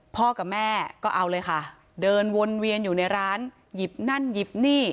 กับแม่ก็เอาเลยค่ะเดินวนเวียนอยู่ในร้านหยิบนั่นหยิบนี่